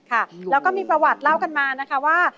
แล้วก็มีประวัติเล่ากันมานะคะว่า